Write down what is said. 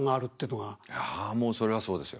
いやもうそれはそうですよ。